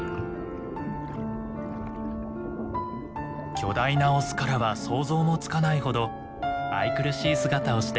巨大なオスからは想像もつかないほど愛くるしい姿をしています。